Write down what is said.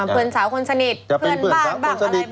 เพื่อนสาวคนสนิทเพื่อนบ้านบ้างอะไรบ้าง